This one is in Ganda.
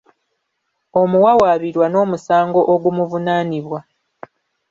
Omuwawaabirwa n'omusango ogumuvunaanibwa.